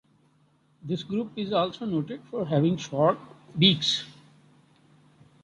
This group is also noted for having short beaks.